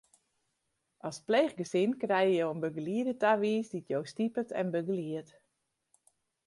As pleechgesin krije jo in begelieder tawiisd dy't jo stipet en begeliedt.